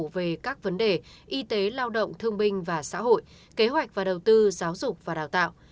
về các vấn đề y tế lao động thương binh và xã hội kế hoạch và đầu tư giáo dục và đào tạo